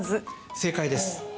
正解です。